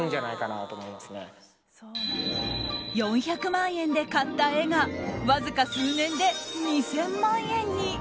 ４００万円で買った絵がわずか数年で２０００万円に。